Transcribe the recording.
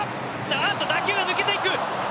あっと打球が抜けていく。